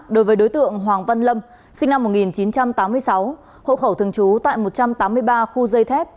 đối với đối tượng hoàng văn lâm sinh năm một nghìn chín trăm tám mươi sáu hộ khẩu thường trú tại một trăm tám mươi ba khu dây thép